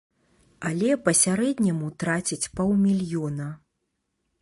Але па сярэдняму трацяць паўмільёна.